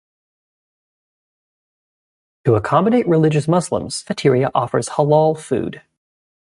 To accommodate religious Muslims, the cafeteria offers halal food.